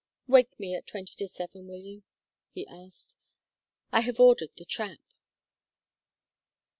"Wake me at twenty to seven, will you?" he asked. "I have ordered the trap."